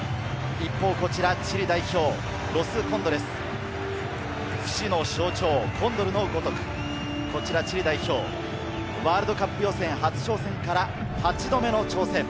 一方こちらチリ代表、ロス・コンドレス、不死の象徴・コンドルのごとく、こちらチリ代表、ワールドカップ予選初挑戦から８度目の挑戦。